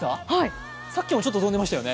さっきもちょっと飛んでましたよね。